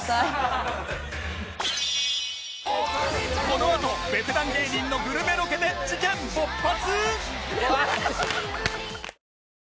このあとベテラン芸人のグルメロケで事件勃発！？